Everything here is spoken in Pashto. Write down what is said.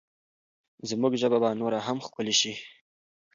زموږ ژبه به نوره هم ښکلې شي.